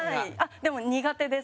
でも、苦手です。